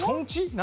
何？